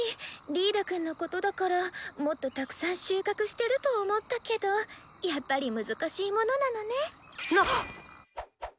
リードくんのことだからもっとたくさん収穫してると思ったけどやっぱり難しいものなのね。